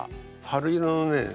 春色のね